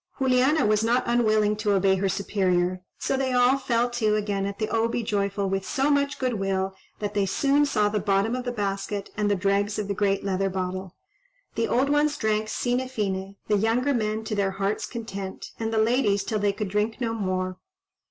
Juliana was not unwilling to obey her superior, so they all fell to again at the O be joyful with so much goodwill that they soon saw the bottom of the basket and the dregs of the great leather bottle. The old ones drank sine fine, the younger men to their hearts' content, and the ladies till they could drink no more.